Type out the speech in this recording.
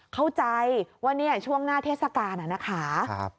เข้าใจว่าเนี่ยช่วงหน้าเทศกาลนะคะ